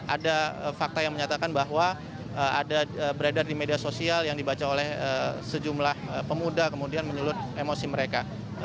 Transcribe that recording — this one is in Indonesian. ada fakta yang menyatakan bahwa ada beredar di media sosial yang dibaca oleh sejumlah pemuda kemudian menyulut emosi mereka